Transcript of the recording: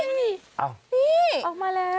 นี่ออกมาแล้ว